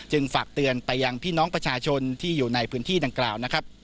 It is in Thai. ฝากเตือนไปยังพี่น้องประชาชนที่อยู่ในพื้นที่ดังกล่าวนะครับ